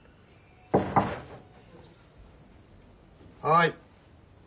・はい。